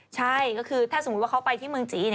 ใช่ก็คือถ้าสมมุติว่าเขาไปที่เมืองจีน